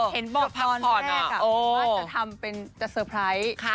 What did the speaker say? เห็นบอกตอนแรกมันว่าจะทำเป็นจะสเตอร์ไพรส์